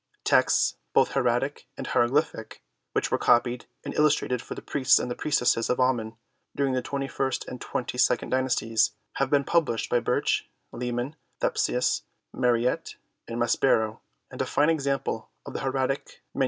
Texts, both hieratic and hieroglyphic, which PREFACE. IX were copied and illustrated for the priests and priest esses of Amen during the twenty first and twenty second dynasties, have been published by Birch, Lee mans, Lepsius, Mariette, and Maspero, and a fine example of the hieratic MS.